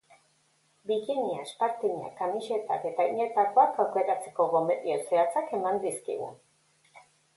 Bikinia, espartinak, kamisetak eta oinetakoak aukeratzeko gomendio zehatzak eman dizkigu.